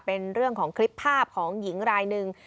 เป็นเรื่องของคลิปภาพของหญิงรายหนึ่ง